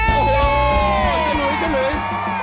โอ้โหชะลุยชะลุย